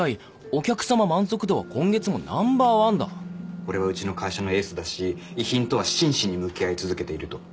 「俺はうちの会社のエースだし遺品とは真摯に向き合い続けている」と。